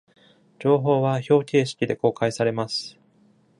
情報は表形式で公開されます。